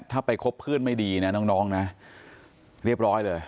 ถ้าไปคบเพื่อนไม่ดีนะน้องนะเรียบร้อยเลย